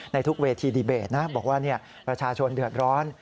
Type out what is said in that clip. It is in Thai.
ในทุกเวทีดีเบตนะบอกว่าประชาชนเดือดร้อน